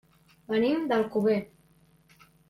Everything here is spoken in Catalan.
Venim d'Alcover.